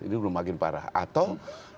ini makin parah atau